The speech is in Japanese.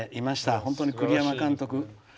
本当に栗山監督